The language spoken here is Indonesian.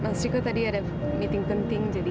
mas ciko tadi ada meeting penting jadi